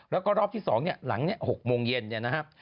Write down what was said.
แล้วก็รอบที่๒เนี่ยหลังเนี่ย๖โมงเย็นเนี่ยนะครับ